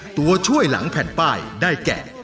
ตัวช่วยหลังแผ่นป้ายได้แก่